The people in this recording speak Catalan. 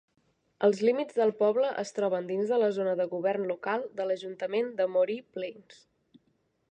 Els límits del poble es troben dins de la zona de govern local de l'ajuntament de Moree Plains.